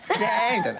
みたいな。